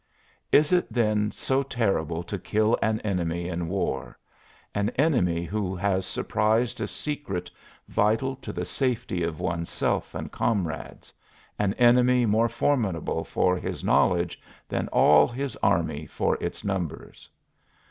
Is it then so terrible to kill an enemy in war an enemy who has surprised a secret vital to the safety of one's self and comrades an enemy more formidable for his knowledge than all his army for its numbers?